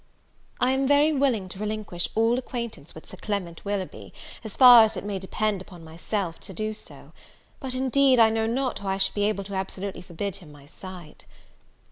I am very willing to relinquish all acquaintance with Sir Clement Willoughby, as far as it may depend upon myself so to do; but, indeed I know not how I should be able to absolutely forbid him my sight.